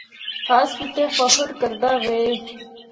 حسب تے فخر کردا وے۔